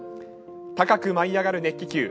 高く舞い上がる熱気球。